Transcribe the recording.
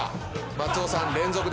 松尾さん連続です。